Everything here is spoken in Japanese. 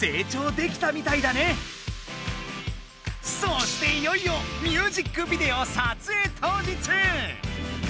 そしていよいよミュージックビデオ撮影当日。